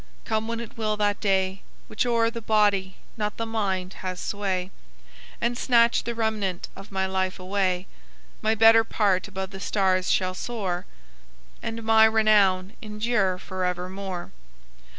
Come when it will that day Which o'er the body, not the mind, has sway, And snatch the remnant of my life away, My better part above the stars shall soar, And my renown endure forevermore.